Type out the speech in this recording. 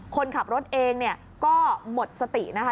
คนขับรถเองเนี่ยก็หมดสตินะคะ